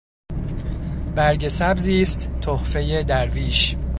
برگ سبزی است تحفهٔ درویش.